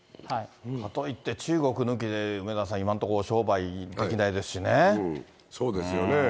かといって、中国抜きで梅沢さん、そうですよね。